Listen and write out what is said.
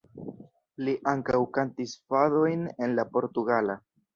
Li ankaŭ kantis fadojn en la portugala.